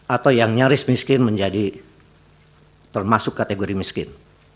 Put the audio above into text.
atau yang nyaris miskin menjadi termasuk kategori miskin